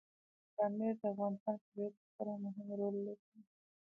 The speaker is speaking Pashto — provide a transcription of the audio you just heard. پامیر د افغانستان په طبیعت کې خورا مهم رول لوبوي.